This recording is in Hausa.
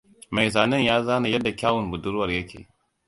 Mai zanen ya zana yadda kyawun budurwar yake.